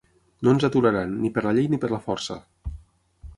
No ens aturaran, ni per la llei ni per la força!